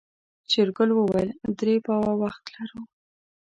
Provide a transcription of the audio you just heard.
شېرګل وويل درې پاوه وخت لرو.